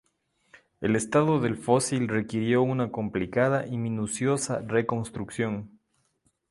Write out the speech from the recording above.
El estado del fósil requirió una complicada y minuciosa reconstrucción.